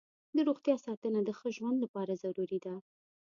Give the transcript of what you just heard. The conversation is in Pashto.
د روغتیا ساتنه د ښه ژوند لپاره ضروري ده.